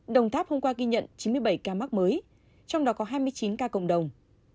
đồng tháp hôm qua ghi nhận chín mươi bảy ca mắc mới trong đó có hai mươi chín ca cộng đồng